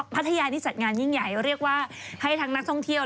พัทยานี่จัดงานยิ่งใหญ่เรียกว่าให้ทั้งนักท่องเที่ยว